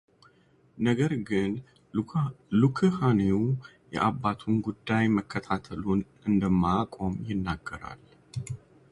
ነገር ግን ሉክሃንዮ የአባቱን ጉዳይ መከታተሉን እንደማያቆም ይናገራል።